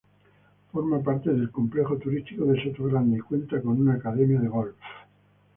Forma parte del complejo turístico de Sotogrande y cuenta con una academia de golf.